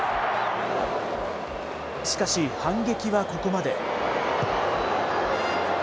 しかし、反撃はここまで。